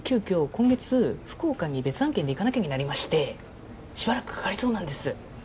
今月福岡に別案件で行かなきゃになりましてしばらくかかりそうなんです